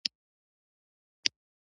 ویده انسان ارام وي